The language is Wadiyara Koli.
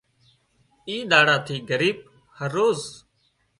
اي ۮاڙا ٿِي ڳريب هروز